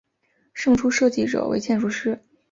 胜出设计者为建筑师。